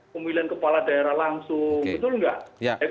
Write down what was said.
pemilihan kepala daerah langsung betul nggak